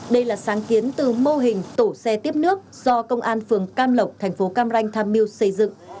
đây là sáng kiến từ mô hình tổ xe tiếp nước do công an phường cam lộc thành phố cam ranh tham mưu xây dựng